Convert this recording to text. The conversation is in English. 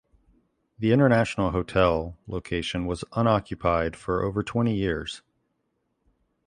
The International Hotel location was unoccupied for over twenty years.